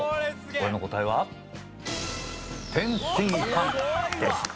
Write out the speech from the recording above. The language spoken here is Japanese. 俺の答えは天津飯でした。